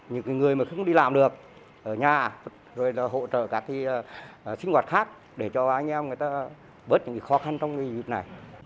những người không đi làm được ở nhà